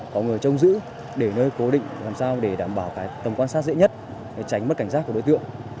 có người trông giữ để nơi cố định làm sao để đảm bảo cái tầm quan sát dễ nhất tránh mất cảnh giác của đối tượng